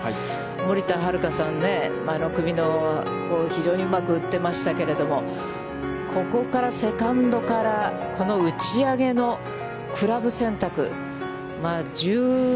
森田遥さんね、非常にうまく打っていましたけど、ここから、セカンドからこの打ち上げのクラブ選択。